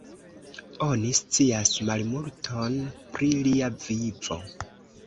Oni scias malmulton pri lia vivo.